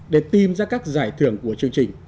để tìm ra các giải thưởng của chương trình